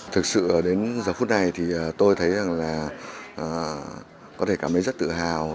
thực sự đến giờ phút này tôi thấy là có thể cảm thấy rất tự hào